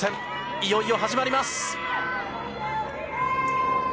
いよいよ始まります。